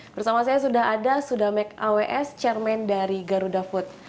bersama saya sudah ada sudamek aws chairman dari garuda food